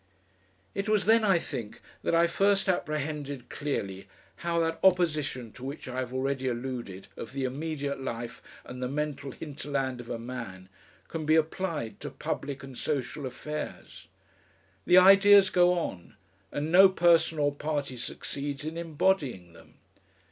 It was then, I think, that I first apprehended clearly how that opposition to which I have already alluded of the immediate life and the mental hinterland of a man, can be applied to public and social affairs. The ideas go on and no person or party succeeds in embodying them.